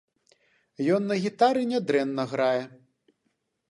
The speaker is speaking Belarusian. Ён на гітары нядрэнна грае.